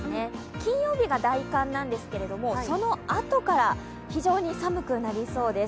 金曜日が大寒なんですけど、そのあとから非常に寒くなりそうです。